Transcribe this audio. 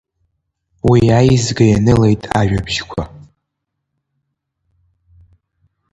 Уи аизга ианылеит ажәабжьқәа…